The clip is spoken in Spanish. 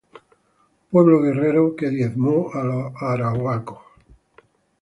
Pueblo guerrero que diezmó a los arahuacos.